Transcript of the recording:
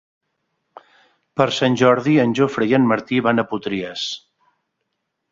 Per Sant Jordi en Jofre i en Martí van a Potries.